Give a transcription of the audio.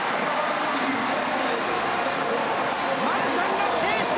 マルシャンが制した！